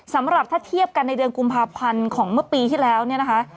สำหรับถ้าเทียบกันในเดือนกุมภาพันธ์ของเมื่อปีที่แล้วเนี่ยนะคะ